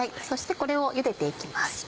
そしてこれを茹でて行きます。